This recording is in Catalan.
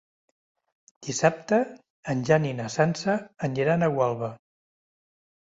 Dissabte en Jan i na Sança aniran a Gualba.